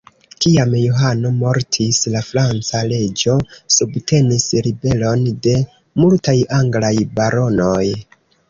Kiam Johano mortis, la franca reĝo subtenis ribelon de multaj anglaj baronoj.